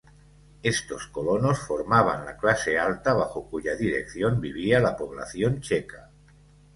Estos colonos formaban la clase alta bajo cuya dirección vivía la población checa.